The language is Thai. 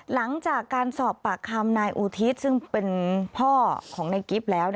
หลังจากการสอบปากคำนายอุทิศซึ่งเป็นพ่อของในกิฟต์แล้ว